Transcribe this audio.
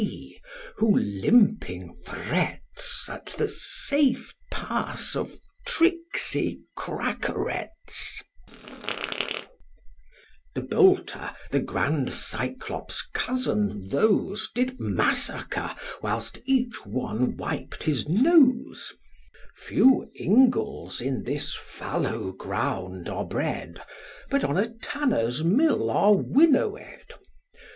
B., who limping frets At the safe pass of tricksy crackarets: The boulter, the grand Cyclops' cousin, those Did massacre, whilst each one wiped his nose: Few ingles in this fallow ground are bred, But on a tanner's mill are winnowed.